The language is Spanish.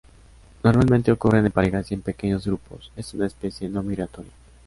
Normalmente ocurren en parejas, y en pequeños grupos, es una especie no migratoria.